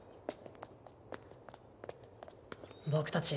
僕たち